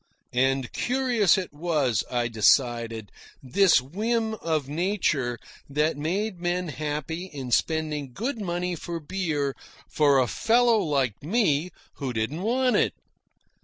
And curious it was, I decided, this whim of nature that made men happy in spending good money for beer for a fellow like me who didn't want it.